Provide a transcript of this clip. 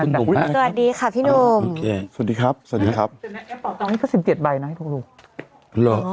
แอปเป่าตังค์นี้ก็๑๗ใบนะให้ทุกคนรู้